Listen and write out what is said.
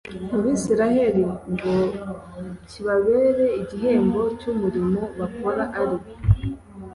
mu bisirayeli ngo kibabere igihembo cy umurimo bakora ari